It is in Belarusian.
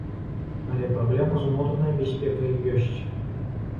Але праблема з унутранай бяспекай ёсць.